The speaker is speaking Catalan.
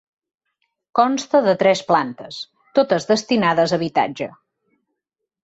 Consta de tres plantes, totes destinades a habitatge.